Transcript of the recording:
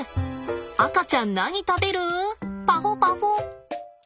赤ちゃん何食べるパホパホ。